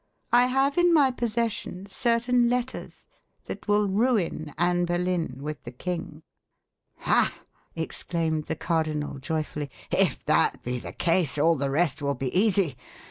I have in my possession certain letters, that will ruin Anne Boleyn with the king." "Ha!" exclaimed the cardinal joyfully; "if that be the case, all the rest will be easy.